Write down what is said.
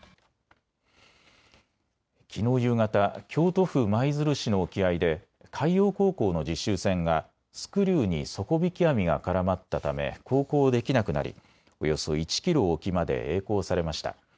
きのう夕方、京都府舞鶴市の沖合で海洋高校の実習船がスクリューに底引き網が絡まったため航行できなくなりおよそ１キロ沖までえい航されました。